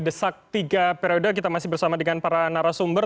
desak tiga periode kita masih bersama dengan para narasumber